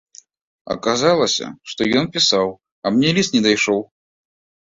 Аказалася, што ён пісаў, а мне ліст не дайшоў.